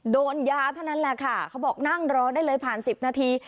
โดนยาเท่านั้นแหละค่ะเขาบอกนั่งรอได้เลยผ่าน๑๐นาที